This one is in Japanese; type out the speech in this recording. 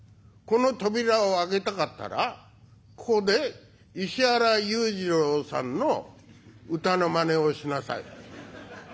『この扉を開けたかったらここで石原裕次郎さんの歌のまねをしなさい』。